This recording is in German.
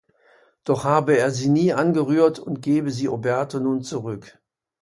Doch habe er sie nicht angerührt und gebe sie Oberto nun zurück.